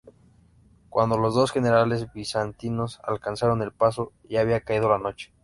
Cuando los dos generales bizantinos alcanzaron el paso, ya había caído la noche.